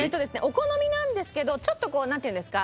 お好みなんですけどちょっとこうなんていうんですか？